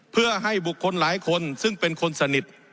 เพื่อให้บุคคลหลายคนซึ่งเป็นคนสนิท